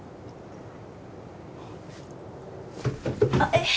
えっ？